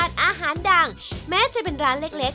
คนที่มาทานอย่างเงี้ยควรจะมาทานแบบคนเดียวนะครับ